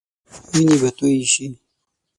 وينې به تويي شي.